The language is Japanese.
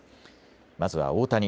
まずは大谷。